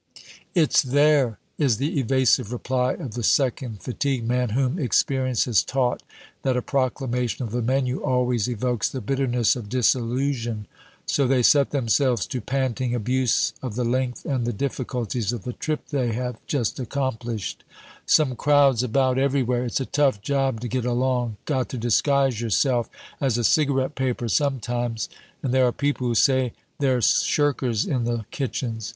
"It's there," is the evasive reply of the second fatigue man, whom experience has taught that a proclamation of the menu always evokes the bitterness of disillusion. So they set themselves to panting abuse of the length and the difficulties of the trip they have just accomplished: "Some crowds about, everywhere! It's a tough job to get along got to disguise yourself as a cigarette paper, sometimes." "And there are people who say they're shirkers in the kitchens!"